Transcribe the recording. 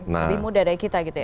lebih muda dari kita gitu ya